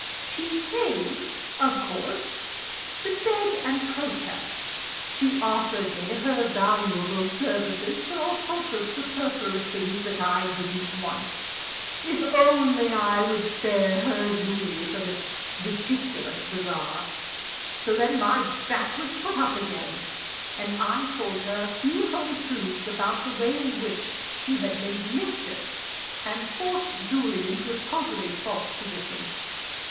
"She came, of course, to beg and protest. She offered me her valuable services for all sorts of superfluous things that I didn't want if only I would spare her Julie for this ridiculous bazaar. So then my back was put up again, and I told her a few home truths about the way in which she had made mischief and forced Julie into a totally false position.